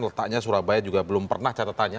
letaknya surabaya juga belum pernah catatannya